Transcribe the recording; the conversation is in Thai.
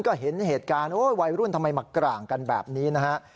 ก็เห็นเหตุการณ์วัยรุ่นทำไมมากร่างกันแบบนี้นะฮะ